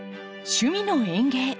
「趣味の園芸」。